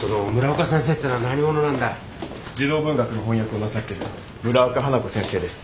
児童文学の翻訳をなさってる村岡花子先生です。